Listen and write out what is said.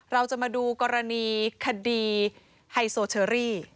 เราจะมาดูกรณีคดีไฮโซเชอรี่